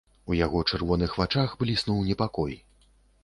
У яго чырвоных вачах бліснуў непакой.